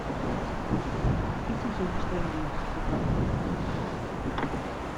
It is also used for writing.